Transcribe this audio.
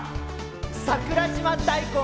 桜島大根。